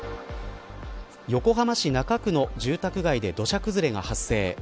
横浜市中区の住宅街で土砂崩れが発生。